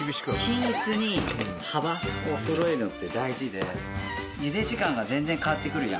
均一に幅を揃えるのって大事でゆで時間が全然変わってくるやん。